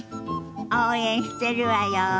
応援してるわよ。